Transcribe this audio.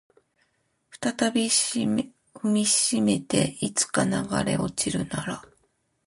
再び踏みしめていつか流れ落ちるなら